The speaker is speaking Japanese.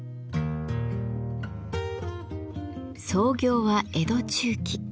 創業は江戸中期。